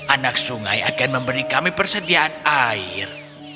anak sungai akan memberi kami persediaan air